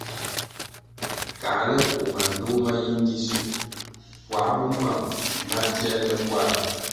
Káhle koh mandtoh ma yi ngisuer puáh bo mam ma tierle kwar.